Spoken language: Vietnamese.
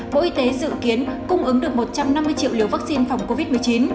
bộ y tế dự kiến cung ứng được một trăm năm mươi triệu liều vaccine phòng covid một mươi chín